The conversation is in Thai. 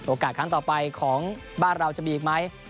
โอกาสครั้งต่อไปของบ้านเราจะมีอีกมั้ย